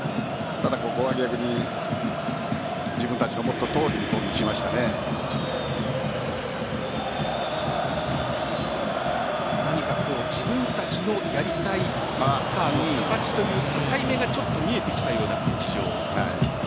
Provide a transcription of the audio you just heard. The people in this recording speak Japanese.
ただ、ここは逆に自分たちの思ったとおりに何か自分たちのやりたいサッカーの形という境目が見えてきたようなピッチ上。